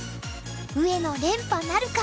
上野連覇なるか。